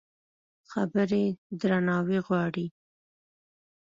خبرې درناوی غواړي.